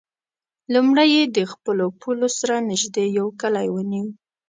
لومړی یې د خپلو پولو سره نژدې یو کلی ونیو.